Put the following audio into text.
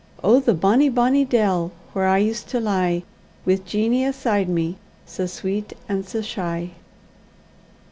Oh! the bonny, bonny dell, whaur I used to lie Wi' Jeanie aside me, sae sweet and sae shy!